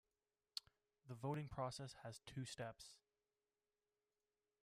The voting process has two steps.